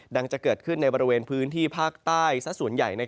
จะเกิดขึ้นในบริเวณพื้นที่ภาคใต้สักส่วนใหญ่